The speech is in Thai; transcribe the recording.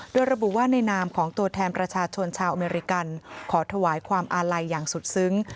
โดยระบุว่าในนามของตัวแทนประชาชนชาวอเมริกันขอถวายความอาลัยอย่างสุดซึ้ง